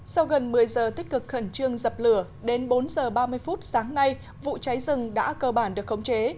sau gần một mươi giờ tích cực khẩn trương dập lửa đến bốn h ba mươi phút sáng nay vụ cháy rừng đã cơ bản được khống chế